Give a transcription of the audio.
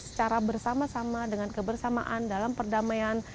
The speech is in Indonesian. secara bersama sama dengan kebersamaan dalam perdamaian